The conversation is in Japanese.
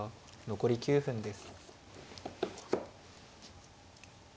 残り９分です。